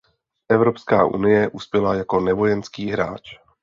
Evropská unie uspěla jako nevojenský hráč.